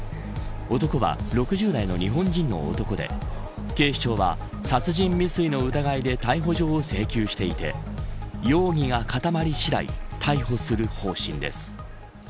男は６０代の日本人の男で警視庁は殺人未遂の疑いで逮捕状を請求していて容疑が固まり次第逮捕する方針です。